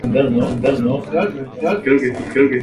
Actualmente es utilizada como vivienda.